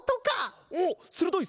おっするどい！